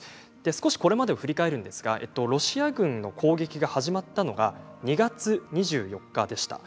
少しこれまでを振り返るんですがロシア軍の攻撃が始まったのが２月２４日でした。